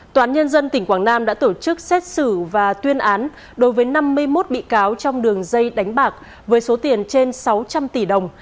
tòa án nhân dân tỉnh quảng nam đã tổ chức xét xử và tuyên án đối với năm mươi một bị cáo trong đường dây đánh bạc với số tiền trên sáu trăm linh tỷ đồng